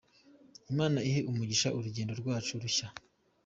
Imana ihe umugisha urugendo rwacu rushya !"